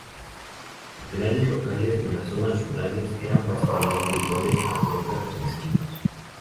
Funcionarios locales en las zonas rurales eran básicamente iguales a burócratas mezquinos.